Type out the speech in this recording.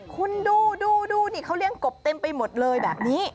คุณดูดูนี่เขาเลี้ยงกบเต็มไปหมดเลยแบบนี้